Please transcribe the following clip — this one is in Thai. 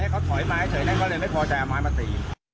ก็เลยไม่พอใจอำมาตย์มาตี